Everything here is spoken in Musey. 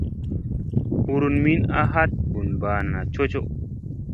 Hurun min a hat vun banana cocoʼo.